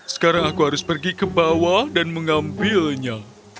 sekarang aku harus pergi ke bawah dan mengambilnya